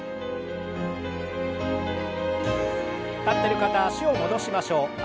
立ってる方は脚を戻しましょう。